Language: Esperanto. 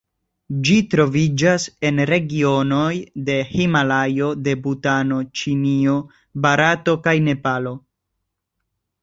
Ĝi troviĝas en regionoj de Himalajo de Butano, Ĉinio, Barato kaj Nepalo.